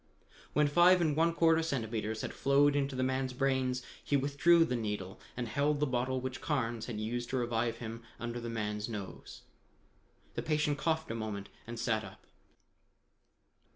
When five and one quarter centimeters had flowed into the man's brains, he withdrew the needle and held the bottle which Carnes had used to revive him under the man's nose. The patient coughed a moment and sat up.